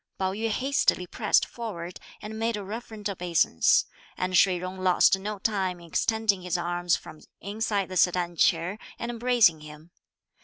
Pao yü hastily pressed forward and made a reverent obeisance, and Shih Jung lost no time in extending his arms from inside the sedan chair, and embracing him.